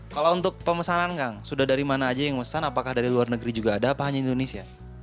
kalau untuk pemesanan kang sudah dari mana aja yang mesan apakah dari luar negeri juga ada apa hanya indonesia